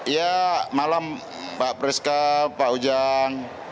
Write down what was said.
ya malam mbak priska pak ujang